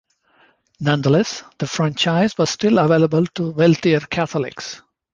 Nonetheless, the franchise was still available to wealthier Catholics.